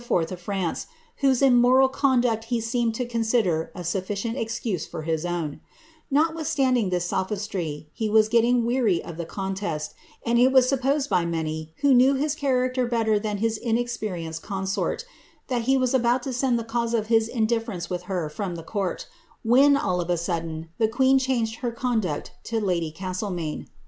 of France, >ral conduct he seemed to consider a sufficient excuse for *f otwithstanding this sophistry, he was getting weary of the it was supposed by many who knew his cliaracter better sperienced consort, that he was about to send the cause of e with her from the court, when, all of a sudden, the queen * conduct to lady Castlemaine.